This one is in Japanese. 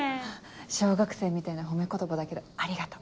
小学生みたいな褒め言葉だけどありがとう。